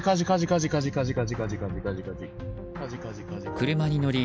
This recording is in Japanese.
車に乗り